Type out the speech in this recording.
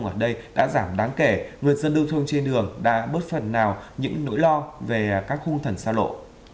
nguyện dân đương thông trên đường đã bớt phần nào những nỗi lo về các khung thần xa lộ